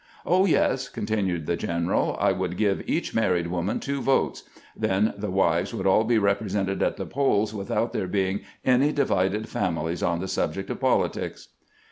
"Oh, yes," continued the general; "I would give each married woman two votes; then the wives would aU be represented at the polls, without there being any divided families on the subject of politics."